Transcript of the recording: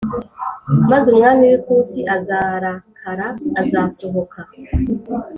Maze umwami w’ ikusi azarakara azasohoka